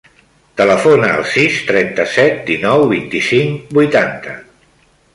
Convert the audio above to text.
Telefona al sis, trenta-set, dinou, vint-i-cinc, vuitanta.